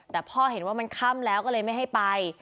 แต่พ่อเห็นว่ามันค่ำแล้วก็เลยไม่ให้ไป